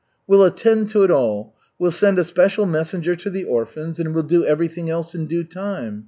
We'll attend to it all. We'll send a special messenger to the orphans and we'll do everything else in due time.